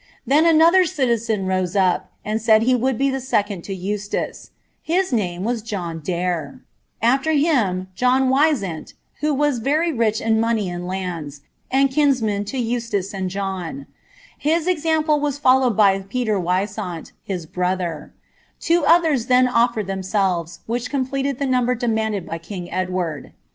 Then another ciiixon rose up, and said he would be the •eoand u> Euatace ; his name was John Daire : after him, James Wisant, wtio WM very rich in money and latidn, and kinsman to Eustace and John ; his example was followed by Peler WisanI, his brother ; two oihrr>>' then offered themselves, whicli completed U)e number demanded by kipg Edward.